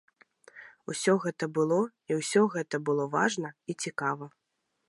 Усё гэта было, і ўсё гэта было важна і цікава.